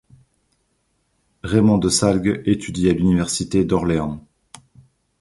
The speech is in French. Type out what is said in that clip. Raimond de Salgues étudie à l'université d'Orléans.